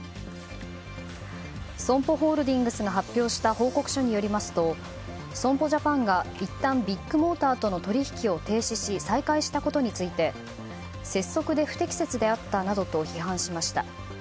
ＳＯＭＰＯホールディングスが発表した報告書によりますと損保ジャパンがいったんビッグモーターとの取引を停止し再開したことについて拙速で不適切であったなどと批判しました。